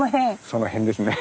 その辺ですね。